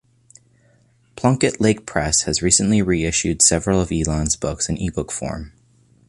Plunkett Lake Press has recently reissued several of Elon's books in eBook form.